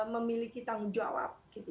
memiliki tanggung jawab